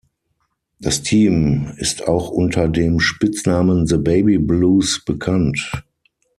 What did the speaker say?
Das Team ist auch unter dem Spitznamen The Baby Blues bekannt.